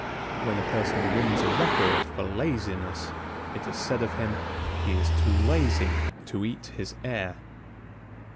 When a person wins a record for laziness, it is said of him: "He is too lazy to eat his air."